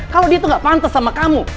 kalau dia itu gak pantas sama kamu